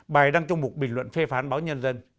bài đăng trong một bình luận phê phán báo nhân dân